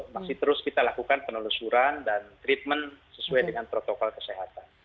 masih terus kita lakukan penelusuran dan treatment sesuai dengan protokol kesehatan